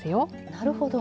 なるほど。